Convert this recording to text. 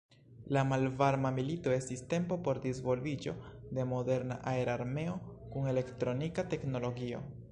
La Malvarma milito estis tempo por disvolviĝo de moderna aerarmeo kun elektronika teknologio.